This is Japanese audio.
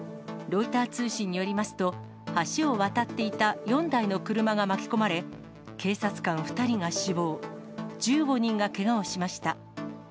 ロイター通信によりますと、橋を渡っていた４台の車が巻き込まれ、警察官２人が死亡、１５人がけがをしました。